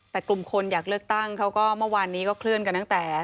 แต่กลุ่มคนอยากเลือกตั้งเขาก็เมื่อวานนี้ก็เคลื่อนกันตั้งแต่